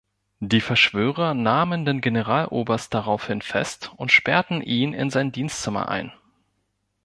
Die Verschwörer nahmen den Generaloberst daraufhin fest und sperrten ihn in sein Dienstzimmer ein.